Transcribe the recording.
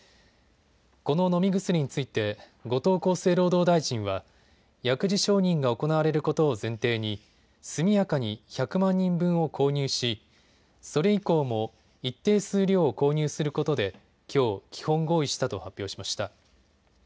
この飲み薬について後藤厚生労働大臣は薬事承認が行われることを前提に速やかに１００万人分を購入しそれ以降も一定数量を購入することできょう基本合意したと発表しました。